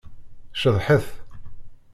Ceḍḥet!